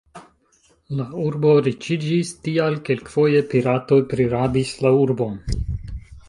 La urbo riĉiĝis, tial kelkfoje piratoj prirabis la urbon.